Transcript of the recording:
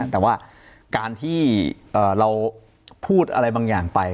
แต่ว่าการที่เราพูดอะไรบางอย่างไป